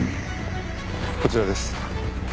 こちらです。